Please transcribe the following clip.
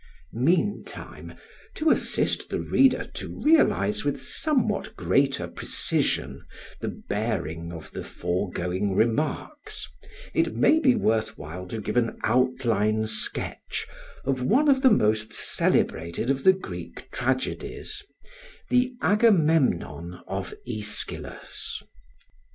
Meantime, to assist the reader to realise with somewhat greater precision the bearing of the foregoing remarks, it may be worth while to give an outline sketch of one of the most celebrated of the Greek tragedies, the "Agamemnon" of Aeschylus.